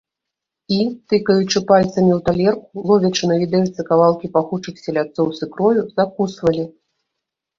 І, тыкаючы пальцамі ў талерку, ловячы на відэльцы кавалкі пахучых селядцоў з ікрою, закусвалі.